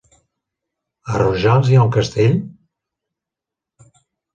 A Rojals hi ha un castell?